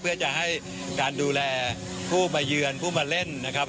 เพื่อจะให้การดูแลผู้มาเยือนผู้มาเล่นนะครับ